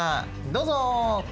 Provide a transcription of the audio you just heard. どうぞ。